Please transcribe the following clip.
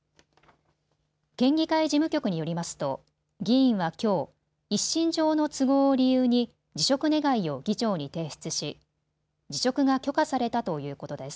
県議会事務局によりますと議員はきょう、一身上の都合を理由に辞職願を議長に提出し辞職が許可されたということです。